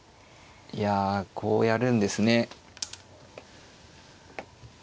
いやこうやるんですね。